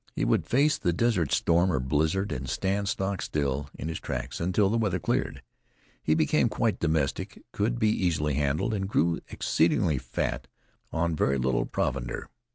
He would face the desert storm or blizzard and stand stock still in his tracks until the weather cleared. He became quite domestic, could be easily handled, and grew exceedingly fat on very little provender.